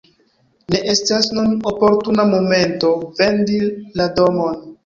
Ne estas nun oportuna momento vendi la domon.